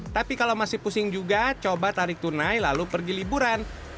tapi kalau masih pusing juga coba tarik tunai lalu pergi liburan